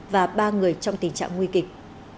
và ba người trong tình trạng nguy kịch